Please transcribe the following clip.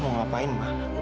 mau ngapain mah